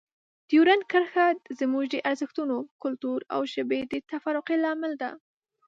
ډیورنډ کرښه زموږ د ارزښتونو، کلتور او ژبې د تفرقې لامل ده.